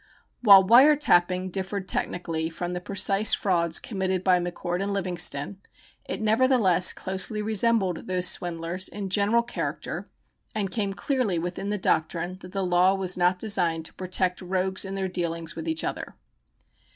While "wire tapping" differed technically from the precise frauds committed by McCord and Livingston, it nevertheless closely resembled those swindlers in general character and came clearly within the doctrine that the law was not designed to protect "rogues in their dealings with each other."